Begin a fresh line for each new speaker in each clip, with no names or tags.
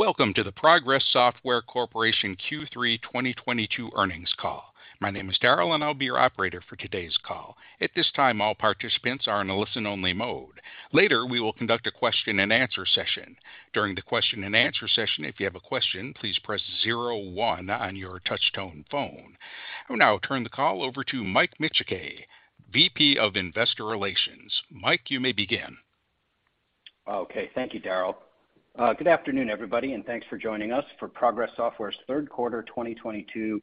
Welcome to the Progress Software Q3 2022 earnings call. My name is Daryl, and I'll be your operator for today's call. At this time, all participants are in a listen-only mode. Later, we will conduct a question-and-answer session. During the question-and-answer session, if you have a question, please press zero one on your touch-tone phone. I will now turn the call over to Mike Micciche, VP of Investor Relations. Mike, you may begin.
Okay. Thank you, Daryl. Good afternoon, everybody, and thanks for joining us for Progress Software's third quarter 2022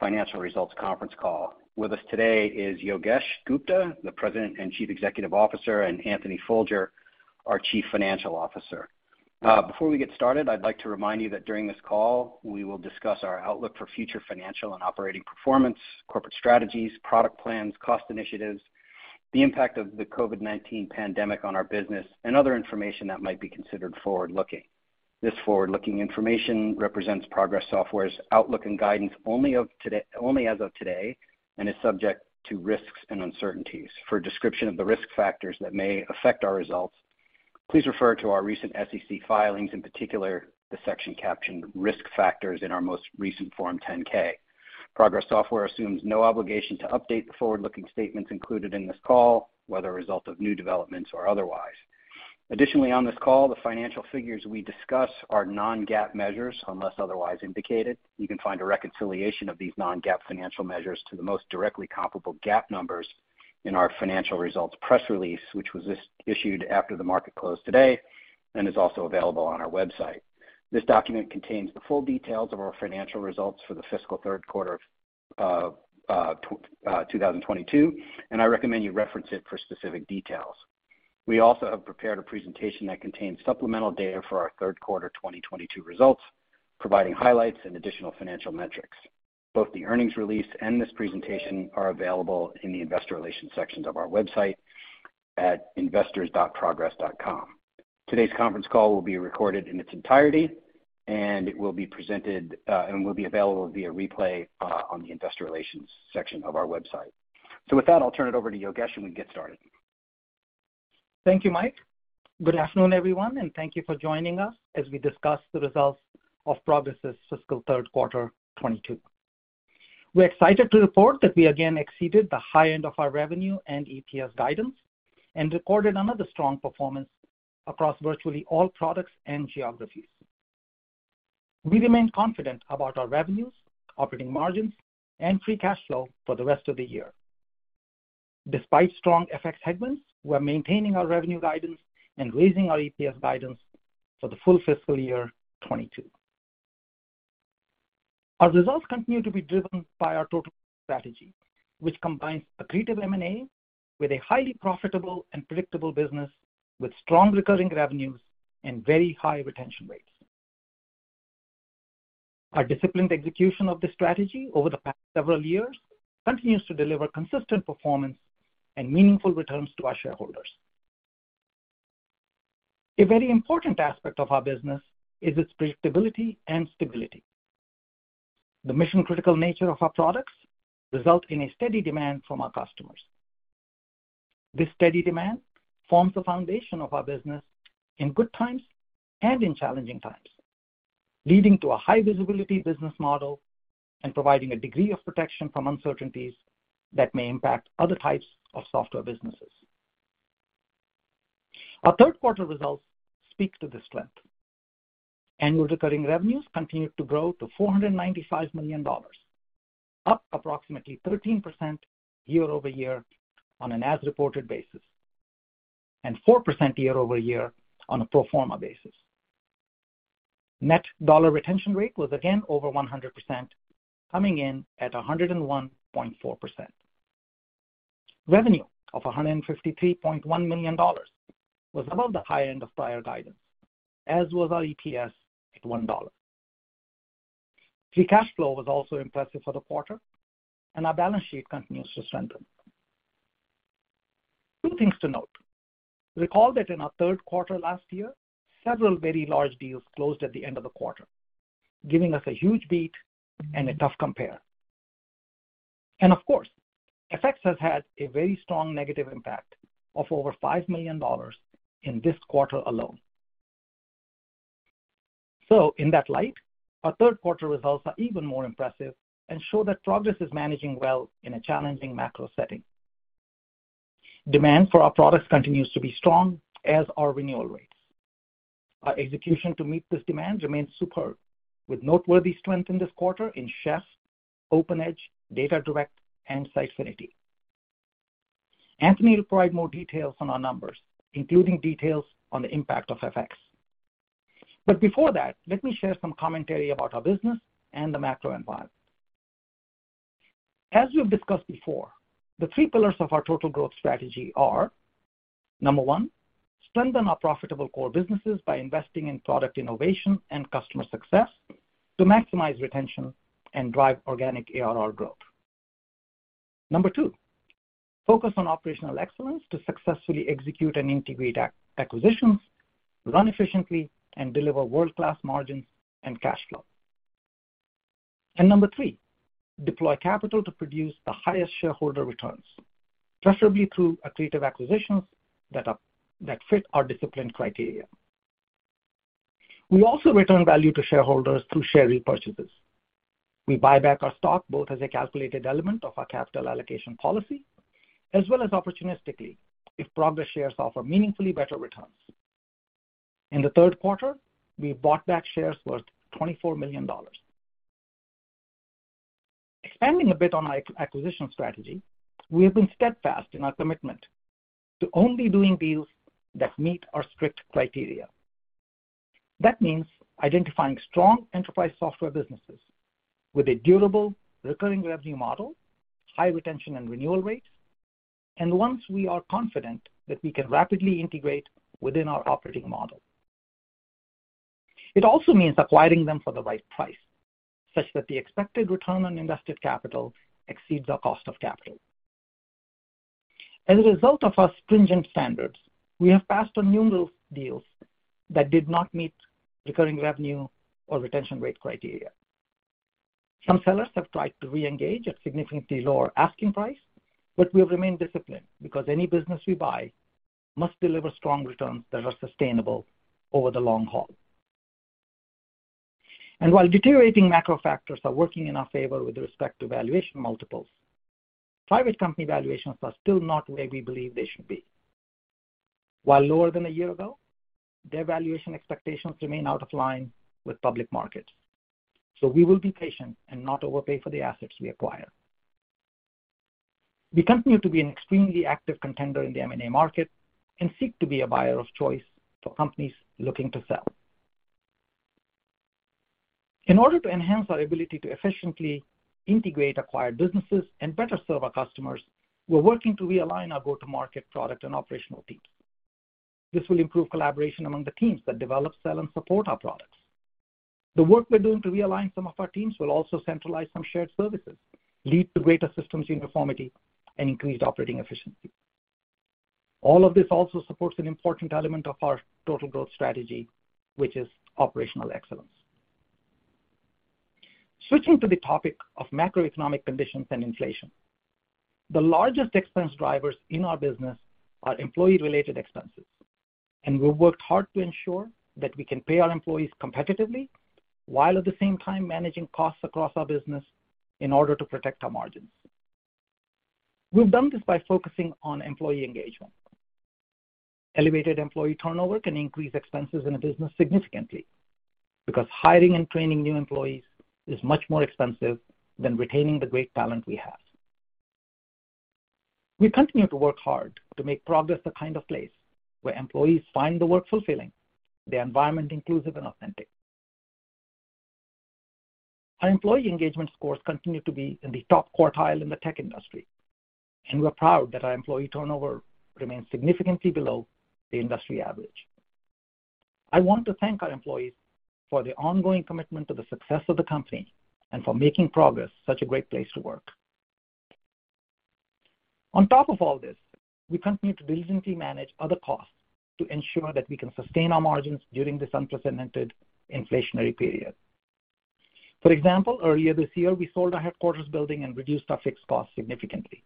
financial results conference call. With us today is Yogesh Gupta, the President and Chief Executive Officer, and Anthony Folger, our Chief Financial Officer. Before we get started, I'd like to remind you that during this call we will discuss our outlook for future financial and operating performance, corporate strategies, product plans, cost initiatives, the impact of the COVID-19 pandemic on our business, and other information that might be considered forward-looking. This forward-looking information represents Progress Software's outlook and guidance only as of today, and is subject to risks and uncertainties. For a description of the risk factors that may affect our results, please refer to our recent SEC filings, in particular the section captioned Risk Factors in our most recent Form 10-K. Progress Software assumes no obligation to update the forward-looking statements included in this call, whether a result of new developments or otherwise. Additionally on this call, the financial figures we discuss are non-GAAP measures unless otherwise indicated. You can find a reconciliation of these non-GAAP financial measures to the most directly comparable GAAP numbers in our financial results press release, which was issued after the market closed today and is also available on our website. This document contains the full details of our financial results for the fiscal third quarter of 2022, and I recommend you reference it for specific details. We also have prepared a presentation that contains supplemental data for our third quarter 2022 results, providing highlights and additional financial metrics. Both the earnings release and this presentation are available in the investor relations sections of our website at investors.progress.com. Today's conference call will be recorded in its entirety, and it will be presented, and will be available via replay, on the investor relations section of our website. With that, I'll turn it over to Yogesh and we can get started.
Thank you, Mike. Good afternoon, everyone, and thank you for joining us as we discuss the results of Progress's fiscal third quarter 2022. We're excited to report that we again exceeded the high end of our revenue and EPS guidance and recorded another strong performance across virtually all products and geographies. We remain confident about our revenues, operating margins, and free cash flow for the rest of the year. Despite strong FX headwinds, we're maintaining our revenue guidance and raising our EPS guidance for the full fiscal year 2022. Our results continue to be driven by our total strategy, which combines accretive M&A with a highly profitable and predictable business with strong recurring revenues and very high retention rates. Our disciplined execution of this strategy over the past several years continues to deliver consistent performance and meaningful returns to our shareholders. A very important aspect of our business is its predictability and stability. The mission-critical nature of our products results in a steady demand from our customers. This steady demand forms the foundation of our business in good times and in challenging times, leading to a high visibility business model and providing a degree of protection from uncertainties that may impact other types of software businesses. Our third quarter results speak to this strength. Annual recurring revenues continued to grow to $495 million, up approximately 13% year-over-year on an as-reported basis, and 4% year-over-year on a pro forma basis. Net dollar retention rate was again over 100%, coming in at 101.4%. Revenue of $153.1 million was above the high end of prior guidance, as was our EPS at $1. Free cash flow was also impressive for the quarter, and our balance sheet continues to strengthen. Two things to note. Recall that in our third quarter last year, several very large deals closed at the end of the quarter, giving us a huge beat and a tough compare. Of course, FX has had a very strong negative impact of over $5 million in this quarter alone. In that light, our third quarter results are even more impressive and show that Progress is managing well in a challenging macro setting. Demand for our products continues to be strong, as are renewal rates. Our execution to meet this demand remains superb, with noteworthy strength in this quarter in Chef, OpenEdge, DataDirect, and Sitefinity. Anthony will provide more details on our numbers, including details on the impact of FX. Before that, let me share some commentary about our business and the macro environment. As we have discussed before, the three pillars of our total Growth Strategy are, number one, strengthen our profitable core businesses by investing in product innovation and customer success to maximize retention and drive organic ARR growth. Number two, focus on operational excellence to successfully execute and integrate acquisitions, run efficiently, and deliver world-class margins and cash flow. Number three, deploy capital to produce the highest shareholder returns, preferably through accretive acquisitions that are, that fit our disciplined criteria. We also return value to shareholders through share repurchases. We buy back our stock both as a calculated element of our capital allocation policy, as well as opportunistically if Progress shares offer meaningfully better returns. In the third quarter, we bought back shares worth $24 million. Expanding a bit on our acquisition strategy, we have been steadfast in our commitment to only doing deals that meet our strict criteria. That means identifying strong enterprise software businesses with a durable recurring revenue model, high retention and renewal rates, and ones we are confident that we can rapidly integrate within our operating model. It also means acquiring them for the right price, such that the expected return on invested capital exceeds our cost of capital. As a result of our stringent standards, we have passed on numerous deals that did not meet recurring revenue or retention rate criteria. Some sellers have tried to re-engage at significantly lower asking prices, but we have remained disciplined because any business we buy must deliver strong returns that are sustainable over the long haul. While deteriorating macro factors are working in our favor with respect to valuation multiples, private company valuations are still not where we believe they should be. While lower than a year ago, their valuation expectations remain out of line with public markets, so we will be patient and not overpay for the assets we acquire. We continue to be an extremely active contender in the M&A market and seek to be a buyer of choice for companies looking to sell. In order to enhance our ability to efficiently integrate acquired businesses and better serve our customers, we're working to realign our go-to-market product and operational teams. This will improve collaboration among the teams that develop, sell, and support our products. The work we're doing to realign some of our teams will also centralize some shared services, lead to greater systems uniformity, and increased operating efficiency. All of this also supports an important element of our Total Growth Strategy, which is operational excellence. Switching to the topic of macroeconomic conditions and inflation. The largest expense drivers in our business are employee-related expenses, and we've worked hard to ensure that we can pay our employees competitively while at the same time managing costs across our business in order to protect our margins. We've done this by focusing on employee engagement. Elevated employee turnover can increase expenses in a business significantly because hiring and training new employees is much more expensive than retaining the great talent we have. We continue to work hard to make Progress Software the kind of place where employees find the work fulfilling, the environment inclusive and authentic. Our employee engagement scores continue to be in the top quartile in the tech industry, and we're proud that our employee turnover remains significantly below the industry average. I want to thank our employees for their ongoing commitment to the success of the company and for making Progress Software such a great place to work. On top of all this, we continue to diligently manage other costs to ensure that we can sustain our margins during this unprecedented inflationary period. For example, earlier this year, we sold our headquarters building and reduced our fixed costs significantly.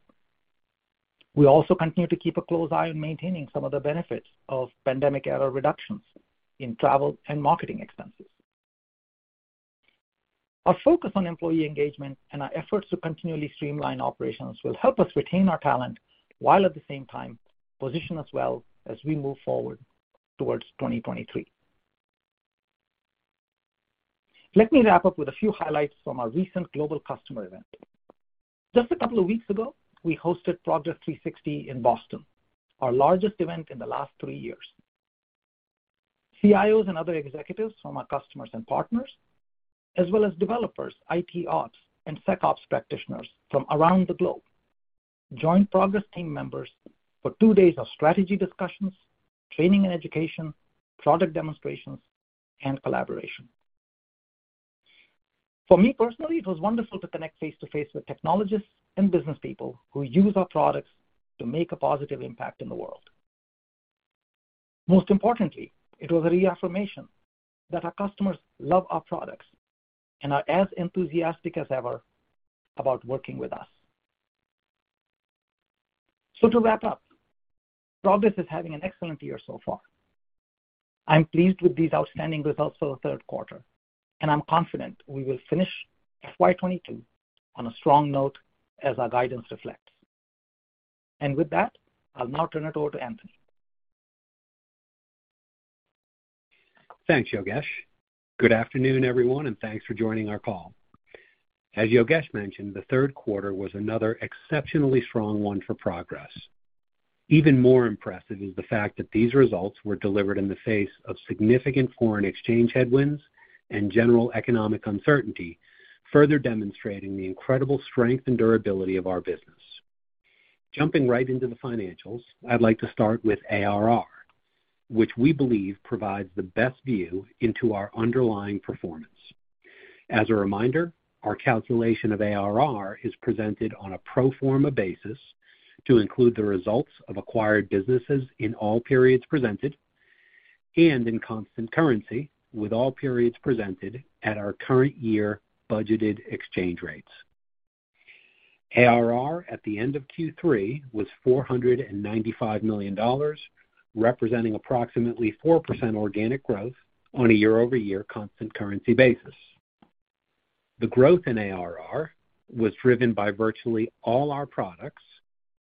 We also continue to keep a close eye on maintaining some of the benefits of pandemic-era reductions in travel and marketing expenses. Our focus on employee engagement and our efforts to continually streamline operations will help us retain our talent while at the same time position us well as we move forward towards 2023. Let me wrap up with a few highlights from our recent global customer event. Just a couple of weeks ago, we hosted Progress360 in Boston, our largest event in the last three years. CIOs and other executives from our customers and partners, as well as developers, IT ops, and SecOps practitioners from around the globe joined Progress team members for two days of strategy discussions, training and education, product demonstrations, and collaboration. For me personally, it was wonderful to connect face-to-face with technologists and business people who use our products to make a positive impact in the world. Most importantly, it was a reaffirmation that our customers love our products and are as enthusiastic as ever about working with us. To wrap up, Progress is having an excellent year so far. I'm pleased with these outstanding results for the third quarter, and I'm confident we will finish FY 2022 on a strong note as our guidance reflects. With that, I'll now turn it over to Anthony.
Thanks, Yogesh. Good afternoon, everyone, and thanks for joining our call. As Yogesh mentioned, the third quarter was another exceptionally strong one for Progress. Even more impressive is the fact that these results were delivered in the face of significant foreign exchange headwinds and general economic uncertainty, further demonstrating the incredible strength and durability of our business. Jumping right into the financials, I'd like to start with ARR, which we believe provides the best view into our underlying performance. As a reminder, our calculation of ARR is presented on a pro forma basis to include the results of acquired businesses in all periods presented. In constant currency with all periods presented at our current year budgeted exchange rates. ARR at the end of Q3 was $495 million, representing approximately 4% organic growth on a year-over-year constant currency basis. The growth in ARR was driven by virtually all our products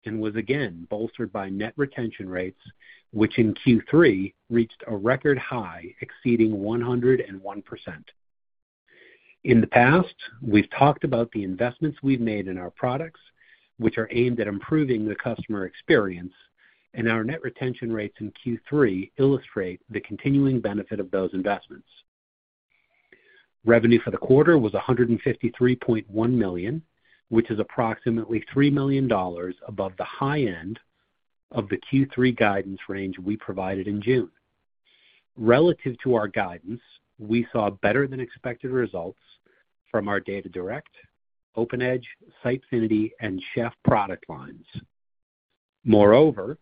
and was again bolstered by net retention rates, which in Q3 reached a record high exceeding 101%. In the past, we've talked about the investments we've made in our products, which are aimed at improving the customer experience, and our net retention rates in Q3 illustrate the continuing benefit of those investments. Revenue for the quarter was $153.1 million, which is approximately $3 million above the high end of the Q3 guidance range we provided in June. Relative to our guidance, we saw better than expected results from our DataDirect, OpenEdge, Sitefinity, and Chef product lines. Moreover,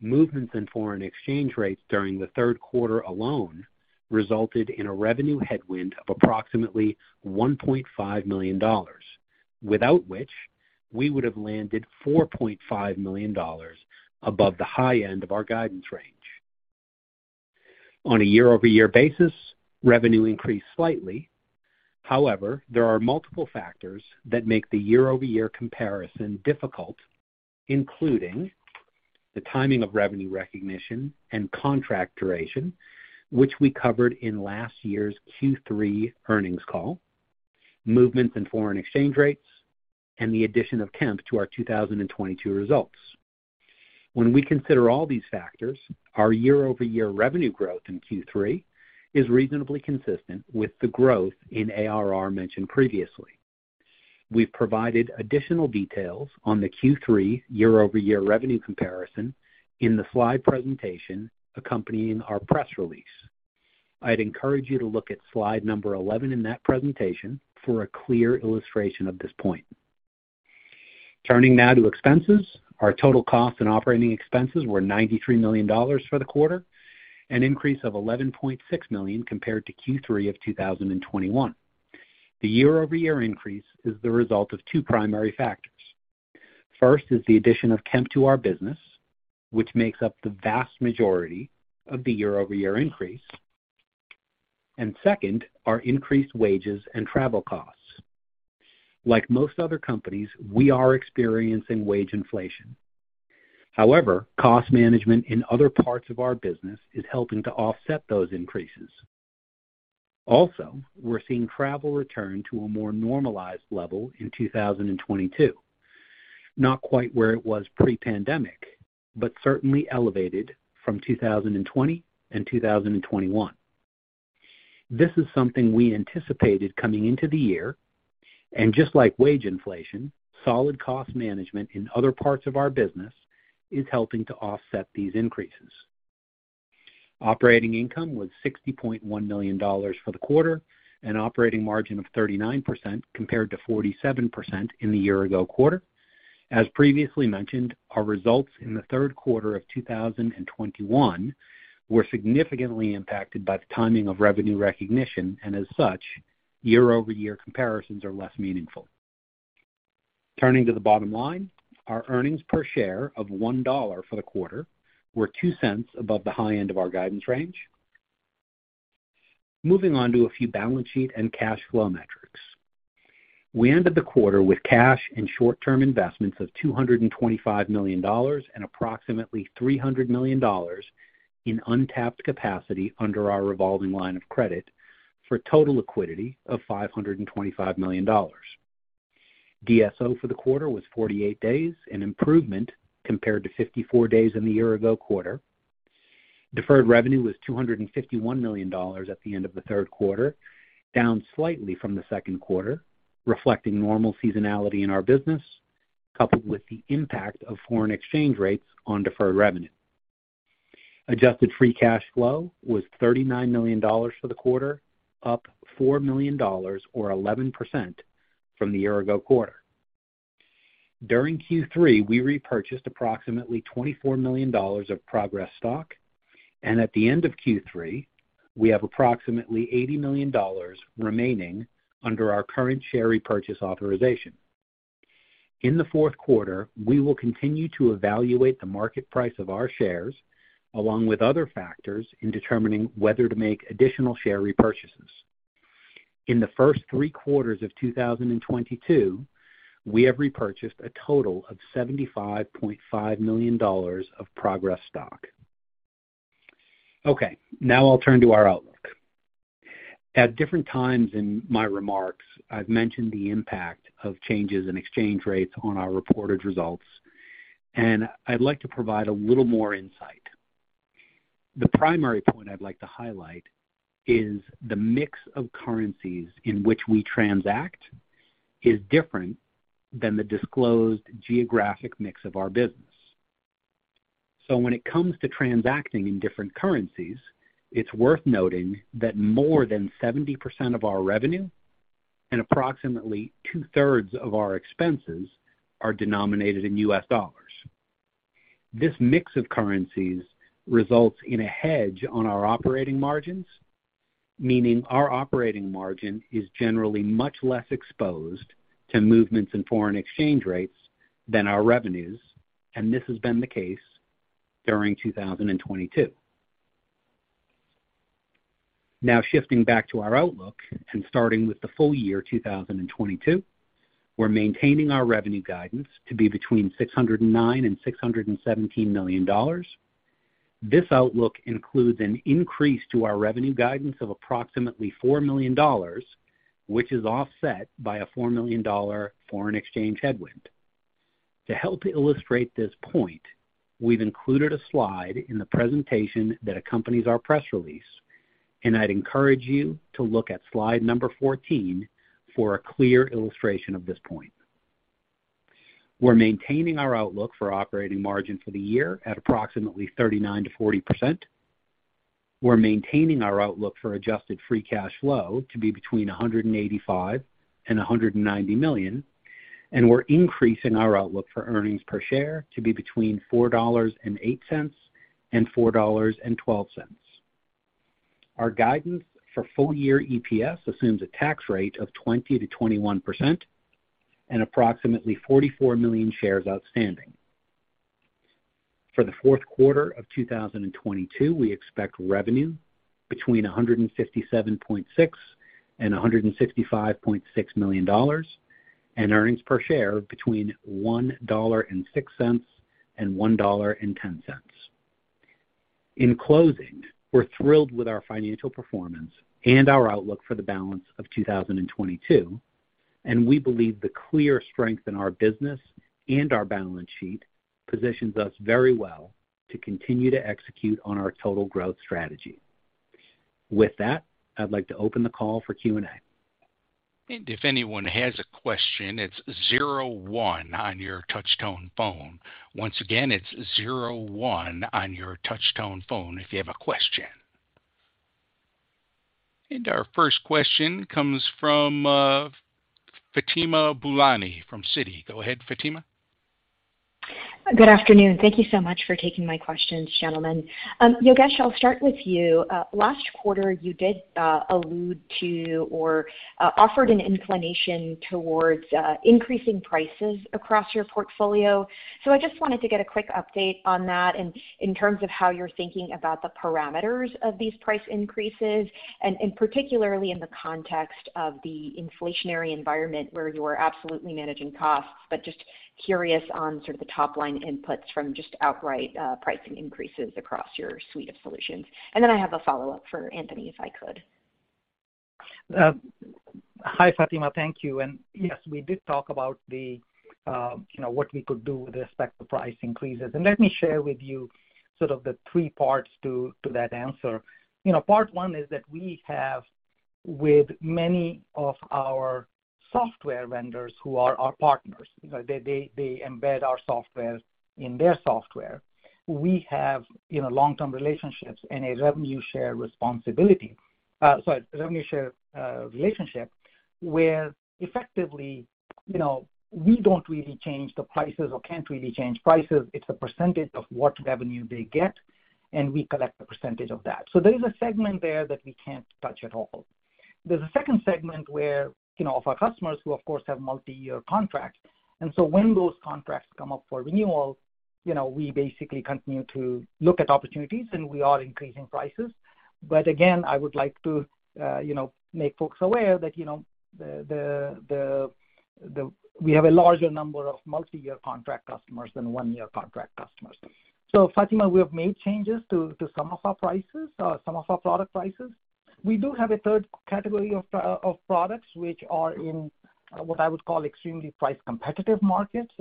movements in foreign exchange rates during the third quarter alone resulted in a revenue headwind of approximately $1.5 million, without which we would have landed $4.5 million above the high end of our guidance range. On a year-over-year basis, revenue increased slightly. However, there are multiple factors that make the year-over-year comparison difficult, including the timing of revenue recognition and contract duration, which we covered in last year's Q3 earnings call, movements in foreign exchange rates, and the addition of Kemp to our 2022 results. When we consider all these factors, our year-over-year revenue growth in Q3 is reasonably consistent with the growth in ARR mentioned previously. We've provided additional details on the Q3 year-over-year revenue comparison in the slide presentation accompanying our press release. I'd encourage you to look at slide number 11 in that presentation for a clear illustration of this point. Turning now to expenses. Our total cost and operating expenses were $93 million for the quarter, an increase of $11.6 million compared to Q3 of 2021. The year-over-year increase is the result of two primary factors. First is the addition of Kemp to our business, which makes up the vast majority of the year-over-year increase. Second, our increased wages and travel costs. Like most other companies, we are experiencing wage inflation. However, cost management in other parts of our business is helping to offset those increases. Also, we're seeing travel return to a more normalized level in 2022. Not quite where it was pre-pandemic, but certainly elevated from 2020 and 2021. This is something we anticipated coming into the year. Just like wage inflation, solid cost management in other parts of our business is helping to offset these increases. Operating income was $60.1 million for the quarter, an operating margin of 39% compared to 47% in the year ago quarter. As previously mentioned, our results in the third quarter of 2021 were significantly impacted by the timing of revenue recognition, and as such, year-over-year comparisons are less meaningful. Turning to the bottom line, our earnings per share of $1 for the quarter were $0.02 above the high end of our guidance range. Moving on to a few balance sheet and cash flow metrics. We ended the quarter with cash and short-term investments of $225 million and approximately $300 million in untapped capacity under our revolving line of credit for total liquidity of $525 million. DSO for the quarter was 48 days, an improvement compared to 54 days in the year ago quarter. Deferred revenue was $251 million at the end of the third quarter, down slightly from the second quarter, reflecting normal seasonality in our business, coupled with the impact of foreign exchange rates on deferred revenue. Adjusted free cash flow was $39 million for the quarter, up $4 million or 11% from the year ago quarter. During Q3, we repurchased approximately $24 million of Progress stock, and at the end of Q3, we have approximately $80 million remaining under our current share repurchase authorization. In the fourth quarter, we will continue to evaluate the market price of our shares, along with other factors, in determining whether to make additional share repurchases. In the first three quarters of 2022, we have repurchased a total of $75.5 million of Progress stock. Okay, now I'll turn to our outlook. At different times in my remarks, I've mentioned the impact of changes in exchange rates on our reported results, and I'd like to provide a little more insight. The primary point I'd like to highlight is the mix of currencies in which we transact is different than the disclosed geographic mix of our business. When it comes to transacting in different currencies, it's worth noting that more than 70% of our revenue and approximately two-thirds of our expenses are denominated in U.S. dollars. This mix of currencies results in a hedge on our operating margins, meaning our operating margin is generally much less exposed to movements in foreign exchange rates than our revenues, and this has been the case during 2022. Now shifting back to our outlook and starting with the full year 2022, we're maintaining our revenue guidance to be between $609 million-$617 million. This outlook includes an increase to our revenue guidance of approximately $4 million, which is offset by a $4 million foreign exchange headwind. To help illustrate this point, we've included a slide in the presentation that accompanies our press release, and I'd encourage you to look at slide number 14 for a clear illustration of this point. We're maintaining our outlook for operating margin for the year at approximately 39%-40%. We're maintaining our outlook for adjusted free cash flow to be between $185 million-$190 million, and we're increasing our outlook for earnings per share to be between $4.08-$4.12. Our guidance for full year EPS assumes a tax rate of 20%-21% and approximately 44 million shares outstanding. For the fourth quarter of 2022, we expect revenue between $157.6 million-165.6 million, and earnings per share between $1.06-$1.10. In closing, we're thrilled with our financial performance and our outlook for the balance of 2022, and we believe the clear strength in our business and our balance sheet positions us very well to continue to execute on our Total Growth Strategy. With that, I'd like to open the call for Q&A.
If anyone has a question, it's zero one on your touch-tone phone. Once again, it's zero one on your touch-tone phone if you have a question. Our first question comes from Fatima Boolani from Citi. Go ahead, Fatima.
Good afternoon. Thank you so much for taking my questions, gentlemen. Yogesh, I'll start with you. Last quarter, you did allude to or offered an inclination towards increasing prices across your portfolio. I just wanted to get a quick update on that in terms of how you're thinking about the parameters of these price increases, and particularly in the context of the inflationary environment where you are absolutely managing costs, but just curious on sort of the top-line inputs from just outright pricing increases across your suite of solutions. Then I have a follow-up for Anthony, if I could.
Hi, Fatima. Thank you. Yes, we did talk about the, you know, what we could do with respect to price increases. Let me share with you sort of the three parts to that answer. You know, part one is that we have with many of our software vendors who are our partners, you know, they embed our software in their software. We have, you know, long-term relationships and a revenue share relationship, where effectively, you know, we don't really change the prices or can't really change prices. It's a percentage of what revenue they get, and we collect a percentage of that. There is a segment there that we can't touch at all. There is a second segment where, you know, of our customers who of course, have multi-year contracts. When those contracts come up for renewal, you know, we basically continue to look at opportunities, and we are increasing prices. Again, I would like to, you know, make folks aware that, you know, we have a larger number of multi-year contract customers than one-year contract customers. Fatima, we have made changes to some of our prices, some of our product prices. We do have a third category of products which are in what I would call extremely price competitive markets.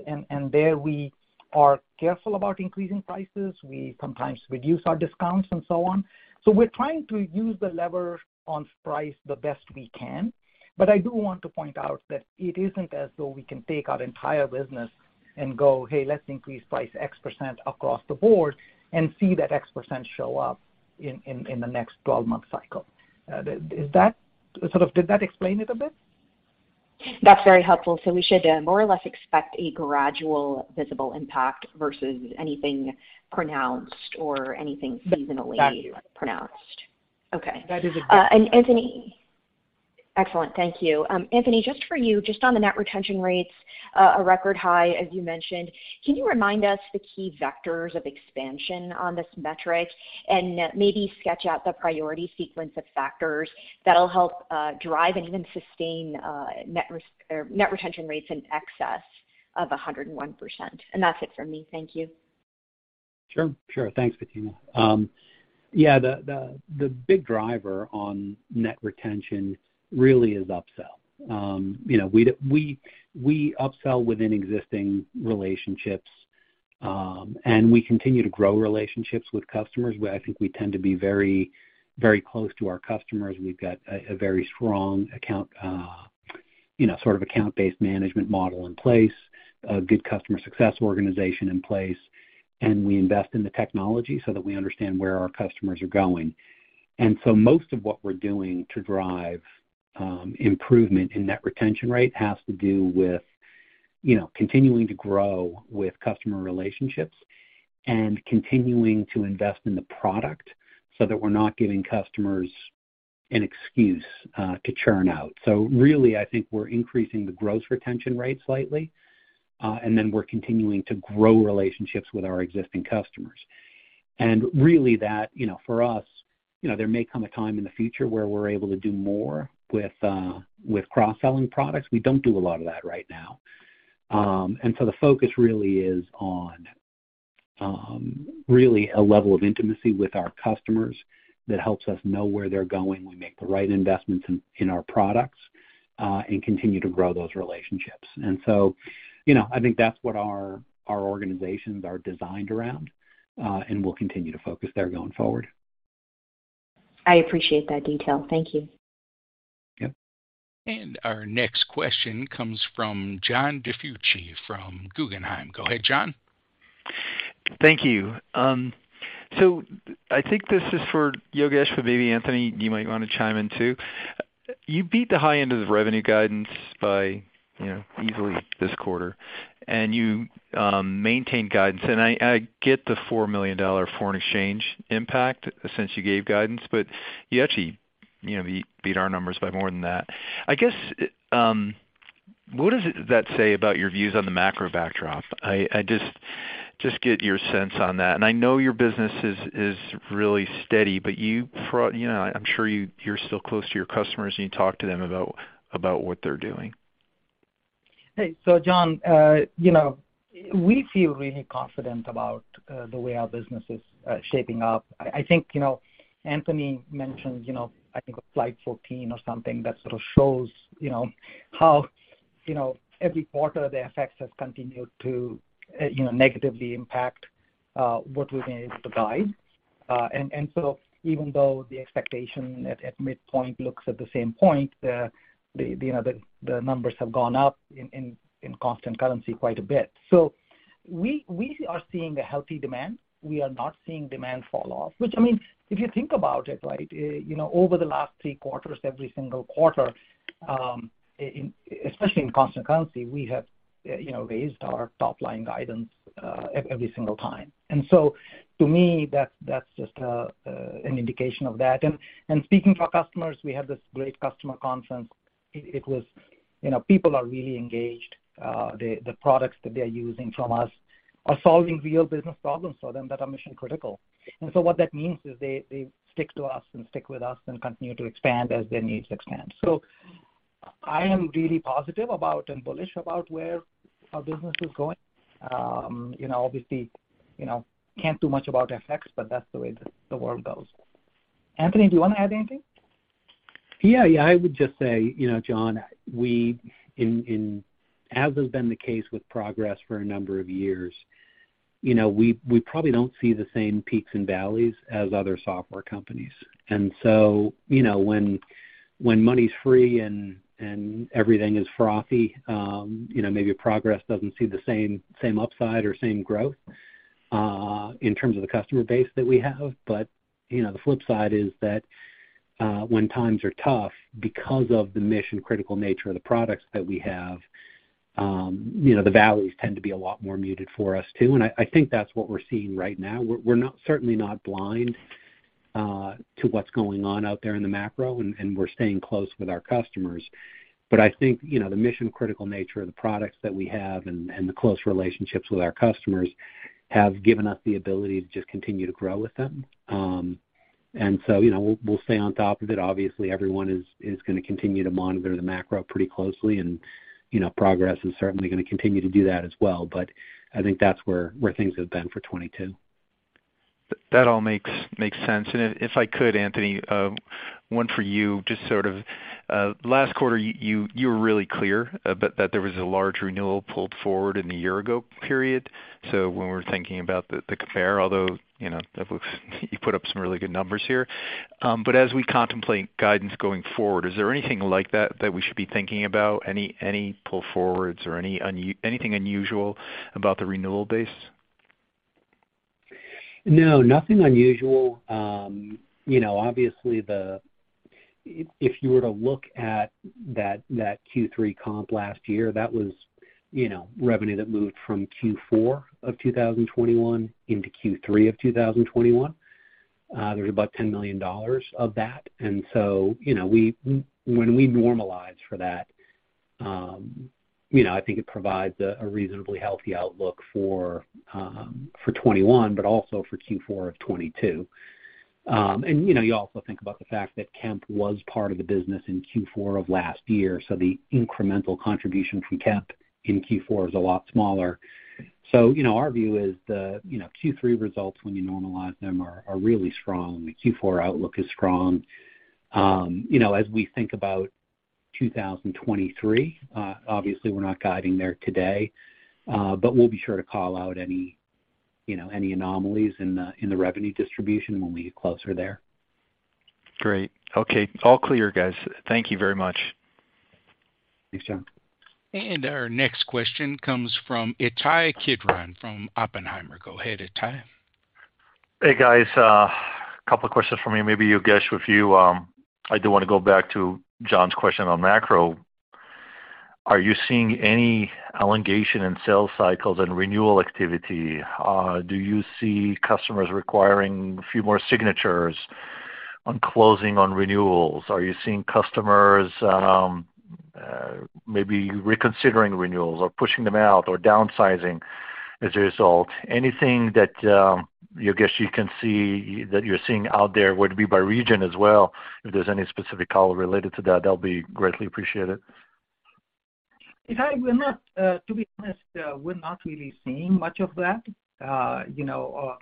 There we are careful about increasing prices. We sometimes reduce our discounts and so on. We're trying to use the lever on price the best we can. I do want to point out that it isn't as though we can take our entire business and go, "Hey, let's increase price X% across the board," and see that X% show up in the next 12-month cycle. Is that sort of did that explain it a bit?
That's very helpful. We should more or less expect a gradual visible impact versus anything pronounced or anything seasonally.
That's it.
Okay.
That is a-
Anthony... Excellent. Thank you. Anthony, just for you, just on the net retention rates, a record high, as you mentioned. Can you remind us the key vectors of expansion on this metric and maybe sketch out the priority sequence of factors that'll help drive and even sustain net retention rates in excess of 101%? That's it for me. Thank you.
Sure. Thanks, Fatima. Yeah, the big driver on net retention really is upsell. You know, we upsell within existing relationships, and we continue to grow relationships with customers, where I think we tend to be very close to our customers. We've got a very strong account, you know, sort of account-based management model in place, a good customer success organization in place, and we invest in the technology so that we understand where our customers are going. Most of what we're doing to drive improvement in net retention rate has to do with, you know, continuing to grow with customer relationships and continuing to invest in the product so that we're not giving customers an excuse to churn out. Really, I think we're increasing the gross retention rate slightly, and then we're continuing to grow relationships with our existing customers. Really that, you know, for us, you know, there may come a time in the future where we're able to do more with with cross-selling products. We don't do a lot of that right now. The focus really is on really a level of intimacy with our customers that helps us know where they're going. We make the right investments in our products and continue to grow those relationships. You know, I think that's what our organizations are designed around, and we'll continue to focus there going forward.
I appreciate that detail. Thank you.
Yep.
Our next question comes from John DiFucci from Guggenheim. Go ahead, John.
Thank you. So I think this is for Yogesh, but maybe Anthony, you might wanna chime in too. You beat the high end of the revenue guidance by, you know, easily this quarter, and you maintained guidance. I get the $4 million foreign exchange impact since you gave guidance, but you actually, you know, beat our numbers by more than that. I guess what does that say about your views on the macro backdrop? I just get your sense on that. I know your business is really steady, but you know, I'm sure you're still close to your customers and you talk to them about what they're doing.
Hey. John, you know, we feel really confident about the way our business is shaping up. I think, you know, Anthony mentioned, you know, I think slide 14 or something that sort of shows, you know, how, you know, every quarter the FX has continued to negatively impact what we've been able to guide. Even though the expectation at midpoint looks about the same, the numbers have gone up in constant currency quite a bit. We are seeing a healthy demand. We are not seeing demand fall off, which, I mean, if you think about it, right, you know, over the last three quarters, every single quarter in especially in constant currency, we have, you know, raised our top-line guidance, every single time. To me, that's just an indication of that. Speaking to our customers, we had this great customer conference. It was, you know, people are really engaged. The products that they're using from us are solving real business problems for them that are mission-critical. What that means is they stick to us and stick with us and continue to expand as their needs expand. I am really positive about and bullish about where our business is going. You know, obviously, you know, can't do much about FX, but that's the way the world goes. Anthony, do you wanna add anything?
Yeah. Yeah. I would just say, you know, John, as has been the case with Progress Software for a number of years, you know, we probably don't see the same peaks and valleys as other software companies. You know, when money's free and everything is frothy, you know, maybe Progress doesn't see the same upside or same growth in terms of the customer base that we have. You know, the flip side is that, when times are tough because of the mission-critical nature of the products that we have, you know, the valleys tend to be a lot more muted for us too. I think that's what we're seeing right now. We're not certainly not blind to what's going on out there in the macro and we're staying close with our customers. I think, you know, the mission-critical nature of the products that we have and the close relationships with our customers have given us the ability to just continue to grow with them. You know, we'll stay on top of it. Obviously, everyone is gonna continue to monitor the macro pretty closely and, you know, Progress Software is certainly gonna continue to do that as well. I think that's where things have been for 2022.
That all makes sense. If I could, Anthony, one for you, just sort of last quarter, you were really clear that there was a large renewal pulled forward in the year ago period. When we're thinking about the compare, although you know that looks like you put up some really good numbers here. As we contemplate guidance going forward, is there anything like that that we should be thinking about? Any pull forwards or anything unusual about the renewal base?
No, nothing unusual. You know, obviously. If you were to look at that Q3 comp last year, that was, you know, revenue that moved from Q4 of 2021 into Q3 of 2021. There's about $10 million of that. You know, when we normalize for that, you know, I think it provides a reasonably healthy outlook for 2021, but also for Q4 of 2022. You know, you also think about the fact that Kemp was part of the business in Q4 of last year, so the incremental contribution from Kemp in Q4 is a lot smaller. You know, our view is, you know, the Q3 results when you normalize them are really strong. The Q4 outlook is strong. You know, as we think about 2023, obviously we're not guiding there today, but we'll be sure to call out any, you know, any anomalies in the revenue distribution when we get closer there.
Great. Okay. All clear, guys. Thank you very much.
Thanks, John.
Our next question comes from Ittai Kidron from Oppenheimer & Co. Go ahead, Ittai.
Hey, guys. Couple of questions for me. Maybe Yogesh, with you, I do wanna go back to John's question on macro. Are you seeing any elongation in sales cycles and renewal activity? Do you see customers requiring a few more signatures on closing on renewals? Are you seeing customers, maybe reconsidering renewals or pushing them out or downsizing as a result? Anything that, Yogesh you can see that you're seeing out there would be by region as well, if there's any specific color related to that'll be greatly appreciated.
Ittai, to be honest, we're not really seeing much of that. You know,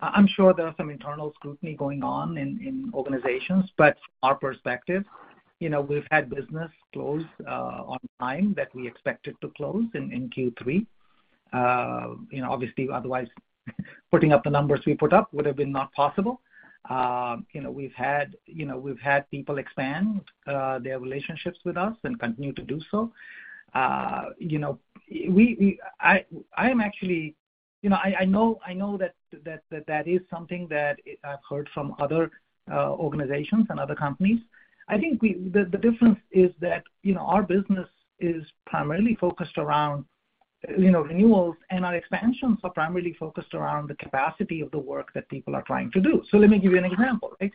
I'm sure there are some internal scrutiny going on in organizations, but our perspective, you know, we've had business close on time that we expected to close in Q3. You know, obviously, otherwise, putting up the numbers we put up would have been not possible. You know, we've had people expand their relationships with us and continue to do so. You know, I am actually. You know, I know that is something that I've heard from other organizations and other companies. I think the difference is that, you know, our business is primarily focused around, you know, renewals, and our expansions are primarily focused around the capacity of the work that people are trying to do. Let me give you an example, right?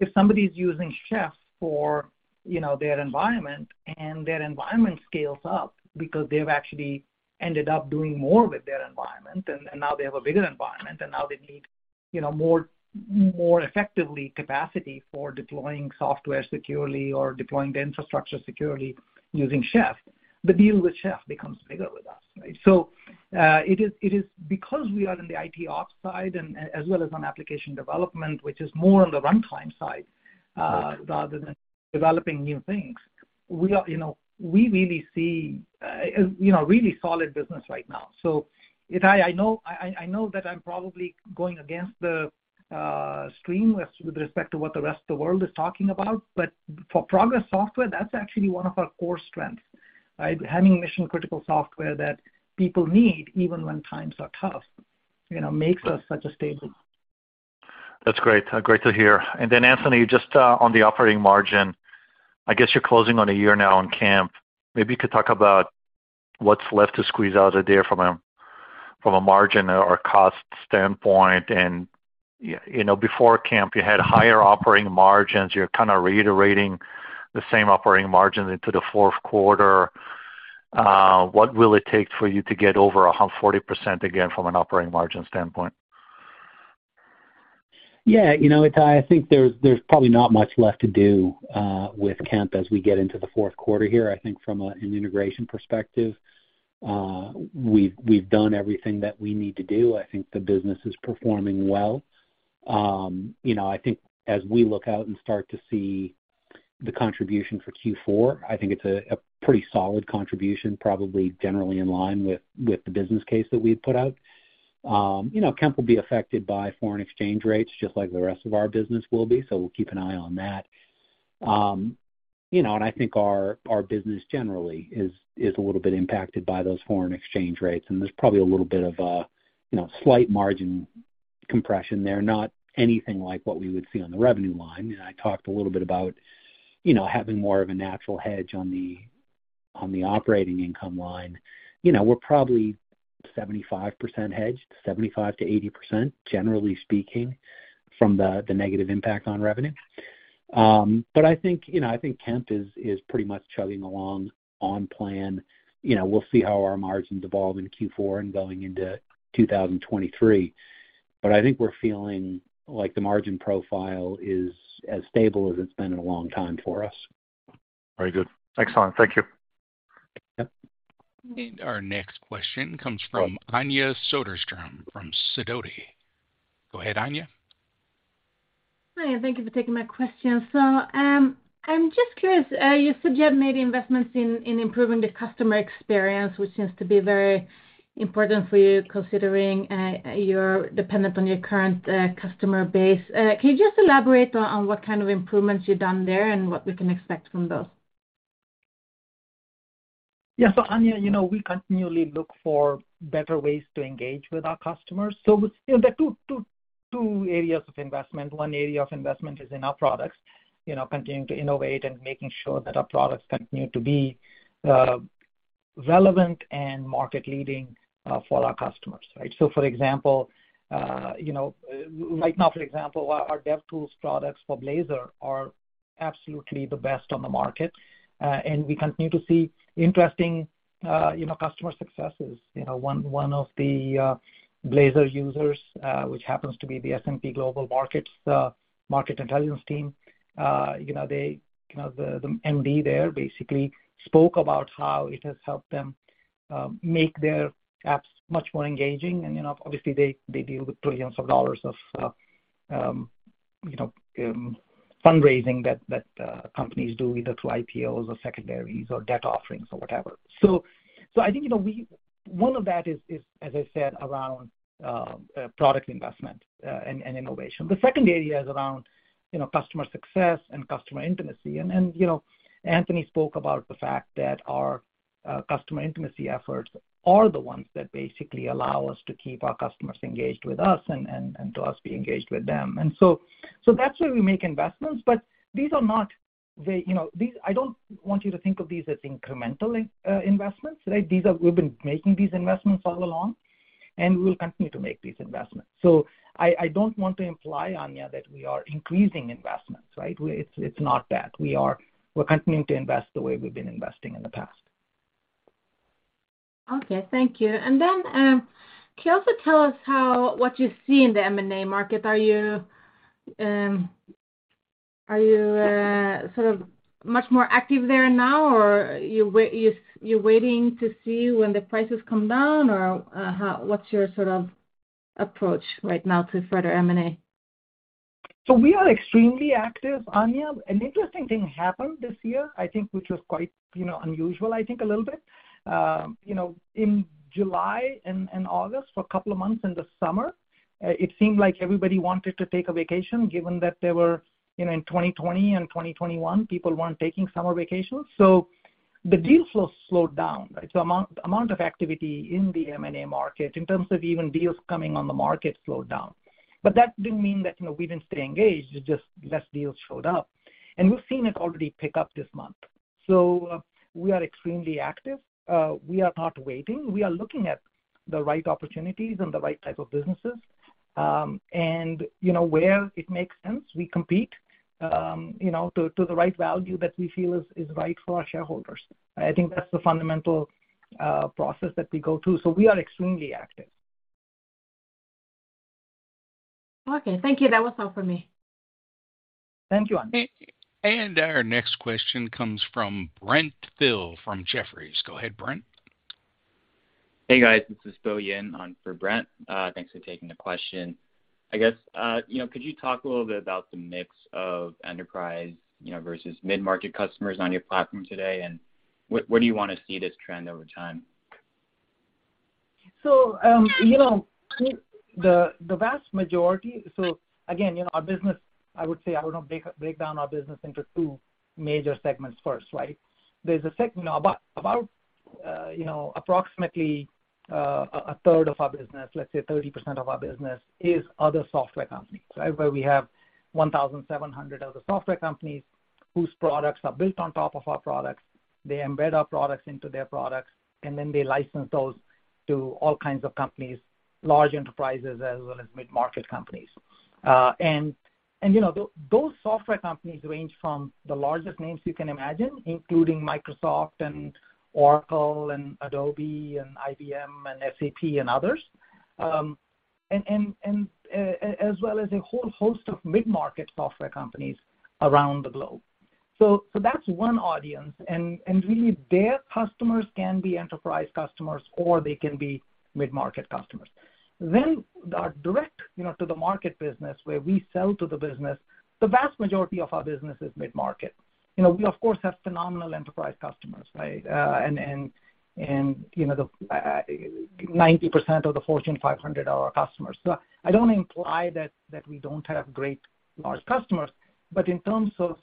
If somebody's using Chef for, you know, their environment and their environment scales up because they've actually ended up doing more with their environment, and now they have a bigger environment, and now they need, you know, more effectively capacity for deploying software securely or deploying the infrastructure securely using Chef, the deal with Chef becomes bigger with us, right? It is because we are in the IT ops side and as well as on application development, which is more on the runtime side, rather than developing new things. We are, you know, we really see you know, really solid business right now. Ittai, I know that I'm probably going against the stream with respect to what the rest of the world is talking about, but for Progress Software, that's actually one of our core strengths, right? Having mission-critical software that people need even when times are tough, you know, makes us such a stable.
That's great. Great to hear. Anthony, just on the operating margin, I guess you're closing on a year now on Kemp. Maybe you could talk about what's left to squeeze out of there from a margin or cost standpoint. You know, before Kemp, you had higher operating margins. You're kinda reiterating the same operating margin into the fourth quarter. What will it take for you to get over 140% again from an operating margin standpoint?
Yeah. You know, Ittai, I think there's probably not much left to do with Kemp as we get into the fourth quarter here. I think from an integration perspective. We've done everything that we need to do. I think the business is performing well. You know, I think as we look out and start to see the contribution for Q4, I think it's a pretty solid contribution, probably generally in line with the business case that we've put out. You know, Kemp will be affected by foreign exchange rates just like the rest of our business will be, so we'll keep an eye on that. I think our business generally is a little bit impacted by those foreign exchange rates, and there's probably a little bit of a, you know, slight margin compression there, not anything like what we would see on the revenue line. I talked a little bit about, you know, having more of a natural hedge on the operating income line. You know, we're probably 75% hedged, 75%-80%, generally speaking, from the negative impact on revenue. I think, you know, I think Kemp is pretty much chugging along on plan. You know, we'll see how our margins evolve in Q4 and going into 2023. I think we're feeling like the margin profile is as stable as it's been in a long time for us.
Very good. Excellent. Thank you.
Yep.
Our next question comes from Anja Soderstrom from Sidoti. Go ahead, Anja.
Hi, thank you for taking my question. I'm just curious. You said you have made investments in improving the customer experience, which seems to be very important for you considering you're dependent on your current customer base. Can you just elaborate on what kind of improvements you've done there and what we can expect from those?
Yeah. Anja, you know, we continually look for better ways to engage with our customers. There are two areas of investment. One area of investment is in our products, you know, continuing to innovate and making sure that our products continue to be relevant and market-leading for our customers, right? For example, you know, right now, for example, our DevTools products for Blazor are absolutely the best on the market, and we continue to see interesting, you know, customer successes. You know, one of the Blazor users, which happens to be the S&P Global Market Intelligence team, you know, they, the MD there basically spoke about how it has helped them make their apps much more engaging. You know, obviously, they deal with trillions of dollars of, you know, fundraising that companies do either through IPOs or secondaries or debt offerings or whatever. I think, you know, one of that is, as I said, around product investment and innovation. The second area is around, you know, customer success and customer intimacy. You know, Anthony spoke about the fact that our customer intimacy efforts are the ones that basically allow us to keep our customers engaged with us and to us be engaged with them. That's where we make investments, but these are not very. You know, these. I don't want you to think of these as incremental investments, right? These are. We've been making these investments all along, and we'll continue to make these investments. I don't want to imply, Anja, that we are increasing investments, right? It's not that. We're continuing to invest the way we've been investing in the past.
Okay. Thank you. Then, can you also tell us what you see in the M&A market? Are you sort of much more active there now, or you're waiting to see when the prices come down, or what's your sort of approach right now to further M&A?
We are extremely active, Anja. An interesting thing happened this year, I think, which was quite unusual, I think, a little bit. In July and August, for a couple of months in the summer, it seemed like everybody wanted to take a vacation given that there were. In 2020 and 2021, people weren't taking summer vacations. The deal flow slowed down, right? Amount of activity in the M&A market in terms of even deals coming on the market slowed down. That didn't mean that we didn't stay engaged. It's just less deals showed up. We've seen it already pick up this month. We are extremely active. We are not waiting. We are looking at the right opportunities and the right type of businesses. You know, where it makes sense, we compete, you know, to the right value that we feel is right for our shareholders. I think that's the fundamental process that we go through. We are extremely active.
Okay. Thank you. That was all for me.
Thank you, Anja.
Our next question comes from Brent Thill from Jefferies. Go ahead, Brent.
Hey, guys. This is Bo Yin on for Brent. Thanks for taking the question. I guess, you know, could you talk a little bit about the mix of enterprise, you know, versus mid-market customers on your platform today, and where do you wanna see this trend over time?
You know, the vast majority. Again, you know, our business. I would say I would now break down our business into two major segments first, right? There's about you know, approximately a third of our business, let's say 30% of our business, is other software companies, right? Where we have 1,700 other software companies whose products are built on top of our products. They embed our products into their products, and then they license those to all kinds of companies, large enterprises as well as mid-market companies. And as well as a whole host of mid-market software companies around the globe. That's one audience. Really their customers can be enterprise customers or they can be mid-market customers. Our direct, you know, to the market business where we sell to the business, the vast majority of our business is mid-market. You know, we of course have phenomenal enterprise customers, right? You know, 90% of the Fortune 500 are our customers. I don't imply that we don't have great large customers, but in terms of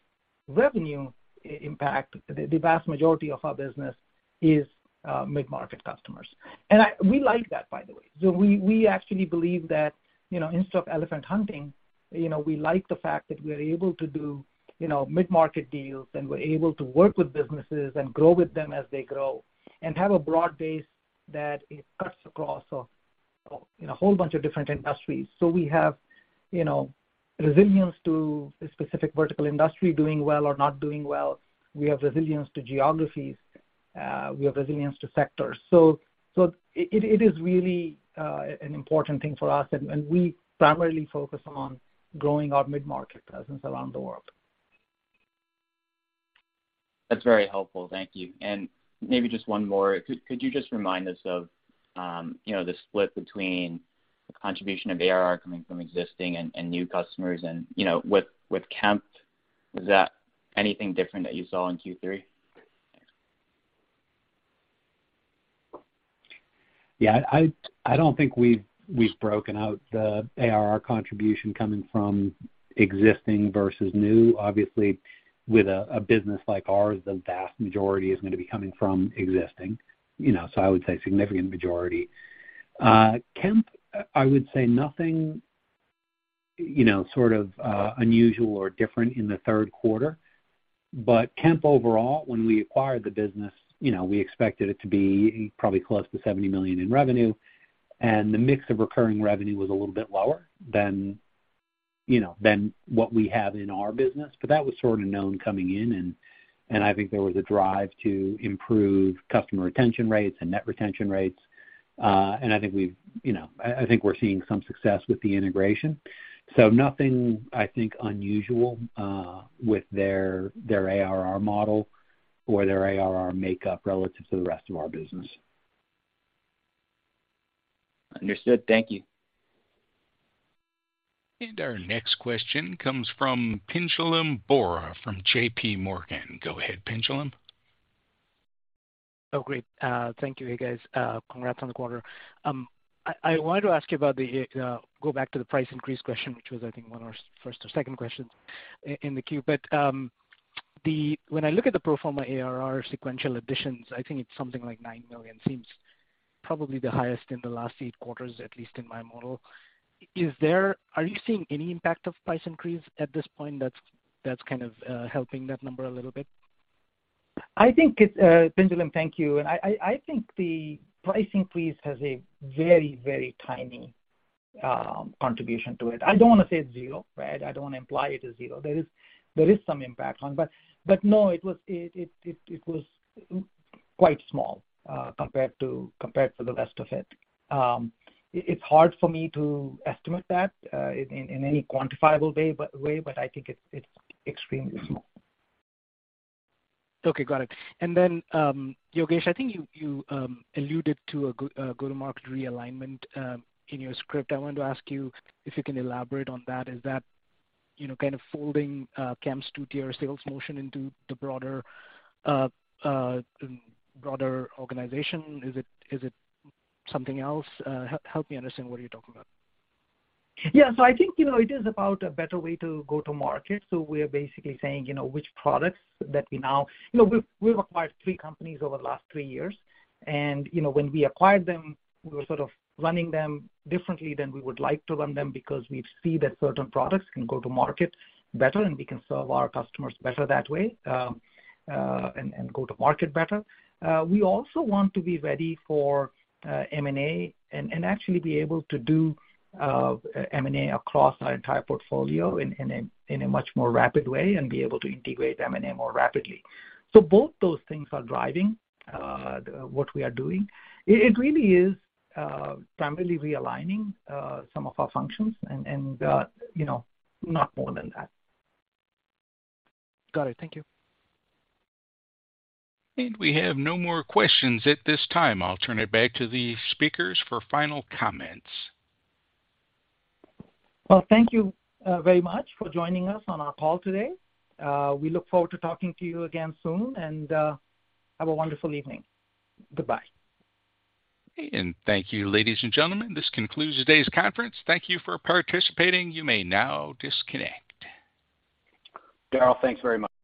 revenue impact, the vast majority of our business is mid-market customers. We like that, by the way. We actually believe that, you know, instead of elephant hunting, you know, we like the fact that we're able to do, you know, mid-market deals, and we're able to work with businesses and grow with them as they grow and have a broad base that it cuts across a, you know, whole bunch of different industries. We have, you know, resilience to a specific vertical industry doing well or not doing well. We have resilience to geographies. We have resilience to sectors. It is really an important thing for us, and we primarily focus on growing our mid-market presence around the world.
That's very helpful. Thank you. Maybe just one more. Could you just remind us of the split between the contribution of ARR coming from existing and new customers? With Kemp, was that anything different that you saw in Q3?
Yeah. I don't think we've broken out the ARR contribution coming from existing versus new. Obviously, with a business like ours, the vast majority is gonna be coming from existing, you know. I would say significant majority. Kemp, I would say nothing, you know, sort of unusual or different in the third quarter. Kemp overall, when we acquired the business, you know, we expected it to be probably close to $70 million in revenue, and the mix of recurring revenue was a little bit lower than, you know, than what we have in our business. That was sort of known coming in, and I think there was a drive to improve customer retention rates and net retention rates. I think we're seeing some success with the integration. Nothing, I think, unusual with their ARR model or their ARR makeup relative to the rest of our business.
Understood. Thank you.
Our next question comes from Pinjalim Bora from J.P. Morgan. Go ahead, Pinjalim.
Oh, great. Thank you. Hey, guys. Congrats on the quarter. I wanted to ask you about the go back to the price increase question, which was, I think, one of our first or second questions in the queue. When I look at the pro forma ARR sequential additions, I think it's something like $9 million, seems probably the highest in the last eight quarters, at least in my model. Are you seeing any impact of price increase at this point that's kind of helping that number a little bit?
I think it's Pinjalim, thank you. I think the price increase has a very tiny contribution to it. I don't wanna say it's zero, right? I don't wanna imply it is zero. There is some impact on. No, it was quite small compared to the rest of it. It's hard for me to estimate that in any quantifiable way, but I think it's extremely small.
Okay, got it. Yogesh, I think you alluded to a go-to-market realignment in your script. I want to ask you if you can elaborate on that. Is that, you know, kind of folding CAM's two-tier sales motion into the broader organization? Is it something else? Help me understand what are you talking about?
Yeah. I think, you know, it is about a better way to go to market. We are basically saying, you know, we've acquired three companies over the last three years. You know, when we acquired them, we were sort of running them differently than we would like to run them because we see that certain products can go to market better, and we can serve our customers better that way, and go to market better. We also want to be ready for M&A and actually be able to do M&A across our entire portfolio in a much more rapid way and be able to integrate M&A more rapidly. Both those things are driving what we are doing. It really is primarily realigning some of our functions and, you know, not more than that.
Got it. Thank you.
We have no more questions at this time. I'll turn it back to the speakers for final comments.
Well, thank you very much for joining us on our call today. We look forward to talking to you again soon, and have a wonderful evening. Goodbye.
Thank you, ladies and gentlemen. This concludes today's conference. Thank you for participating. You may now disconnect.
Daryl, thanks very much.